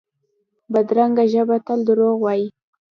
بدرنګه ژبه تل دروغ وايي